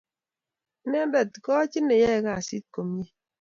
Inendet kochi neyae kazi komnye.